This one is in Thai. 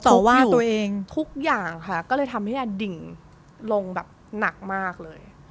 ทุกอย่างค่ะก็เลยทำให้ดิ่งลงแบบหนักมากเลย